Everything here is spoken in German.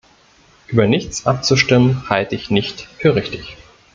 Über Nichts abzustimmen halte ich nicht für richtig!